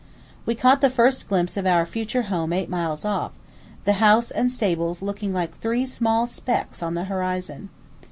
We caught the first glimpse of our future home eight miles off, the house and stables looking like three small specks on the horizon.